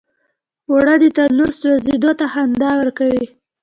اوړه د تنور سوزیدو ته خندا ورکوي